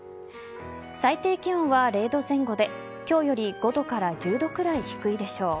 最低気温は０度前後で今日より、５度から１０度くらい低いでしょう。